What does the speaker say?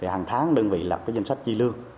hàng tháng đơn vị lập danh sách chi lương